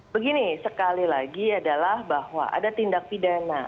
begini sekali lagi adalah bahwa ada tindak pidana